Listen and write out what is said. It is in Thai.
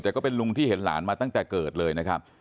แต่ก็เป็นลุงที่เห็นหลานมาตั้งแต่เกิดเลยนะครับ